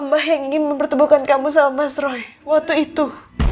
mbah yang ingin mempertemukan kamu sama mas roy waktu itu